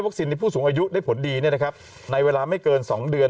วัคซีนในผู้สูงอายุได้ผลดีนะครับในเวลาไม่เกิน๒เดือน